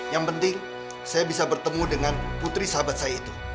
yang penting saya bisa bertemu dengan putri sahabat saya itu